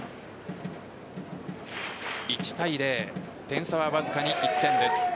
１対０点差はわずかに１点です。